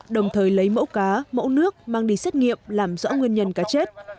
đồng thời lấy mẫu cá mẫu nước mang đi xét nghiệm làm rõ nguyên nhân cá chết